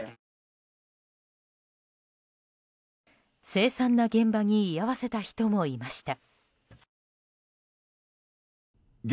凄惨な現場に居合わせた人もいました。